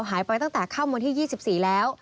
หายไปตั้งแต่ค่ำวันที่๒๔แล้ว